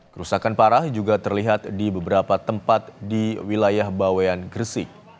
kerusakan parah juga terlihat di beberapa tempat di wilayah bawean gresik